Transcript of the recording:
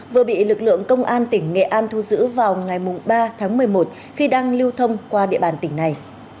vừa bị lực lượng công an tỉnh nghệ an thu giữ vào ngày ba tháng một mươi một khi đang lưu thông qua địa bàn tỉnh này